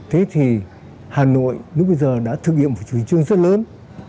thế thì hà nội lúc bây giờ đã thực hiện một truyền chương rất lớn